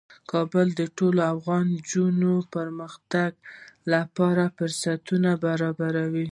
کابل د ټولو افغان نجونو د پرمختګ لپاره فرصتونه برابروي.